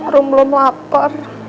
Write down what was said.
rum belum lapar